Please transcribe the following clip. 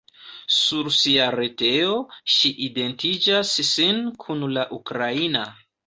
Sur sia retejo, ŝi identiĝas sin kun la ukraina.